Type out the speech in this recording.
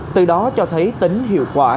từ đó cho thấy tính hiệu quả